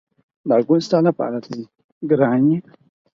دا ګل ستا لپاره دی ګرانې!